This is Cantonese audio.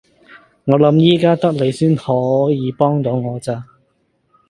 我諗而家得你先幫到我咋！